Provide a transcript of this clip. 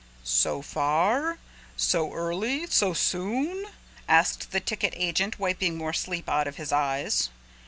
"So far? So early? So soon?" asked the ticket agent wiping more sleep out his eyes.